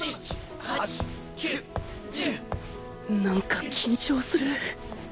何か緊張する